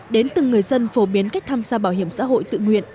đến từng người dân phổ biến cách tham gia bảo hiểm xã hội tự nguyện